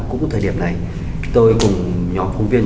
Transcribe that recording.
cũng thời điểm này tôi cùng nhóm phóng viên